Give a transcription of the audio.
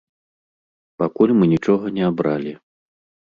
Пакуль мы нічога не абралі.